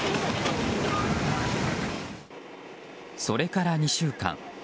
それから２週間。